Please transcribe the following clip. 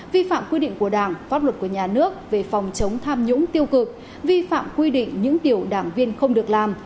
vi phạm quy định của đảng pháp luật của nhà nước về phòng chống tham nhũng tiêu cực vi phạm quy định những điều đảng viên không được làm